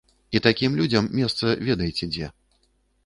І такім людзям месца ведаеце дзе.